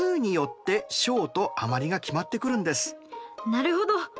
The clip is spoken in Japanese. なるほど！